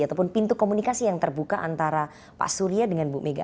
ataupun pintu komunikasi yang terbuka antara pak surya dengan bu mega